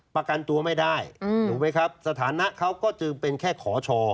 ประกันตัวไม่ได้ถูกไหมครับสถานะเขาก็จึงเป็นแค่ขอชอ